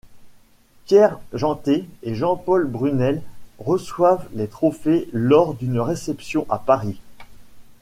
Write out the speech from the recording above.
Pierre Jeantet et Jean-Paul Brunel reçoivent les trophées lors d'une réception à Paris.